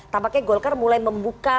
tampaknya golkar mulai membuka